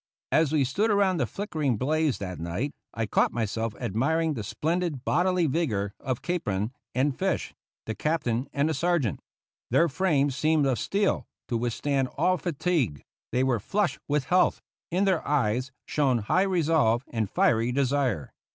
As we stood around the flickering blaze that night I caught myself admiring the splendid bodily vigor of Capron and Fish the captain and the sergeant. Their frames seemed of steel, to withstand all fatigue; they were flushed with health; in their eyes shone high resolve and fiery desire.